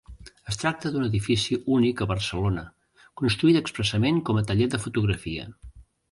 Es tracta d'un edifici únic a Barcelona construït expressament com a taller de fotografia.